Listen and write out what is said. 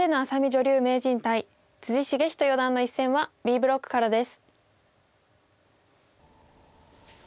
女流名人対篤仁四段の一戦はＢブロックからです。